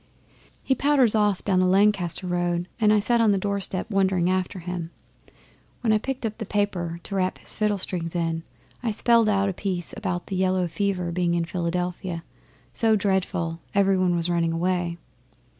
'He powders off down the Lancaster road, and I sat on the doorstep wondering after him. When I picked up the paper to wrap his fiddle strings in, I spelled out a piece about the yellow fever being in Philadelphia so dreadful every one was running away.